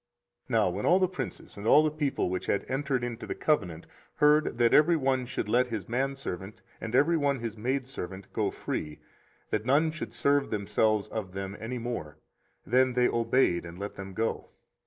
24:034:010 Now when all the princes, and all the people, which had entered into the covenant, heard that every one should let his manservant, and every one his maidservant, go free, that none should serve themselves of them any more, then they obeyed, and let them go.